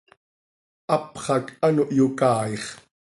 Hapx hac ano hyocaaix.